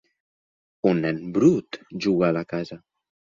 Un nen brut juga a la casa